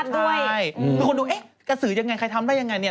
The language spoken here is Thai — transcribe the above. ด้วยใช่มีคนดูเอ๊ะกระสือยังไงใครทำได้ยังไงเนี่ย